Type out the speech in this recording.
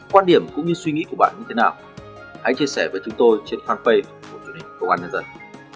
quan điểm cũng như suy nghĩ của bạn như thế nào hãy chia sẻ với chúng tôi trên fanpage của truyền hình công an nhân dân